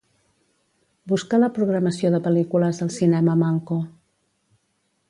Busca la programació de pel·lícules al cinema Malco.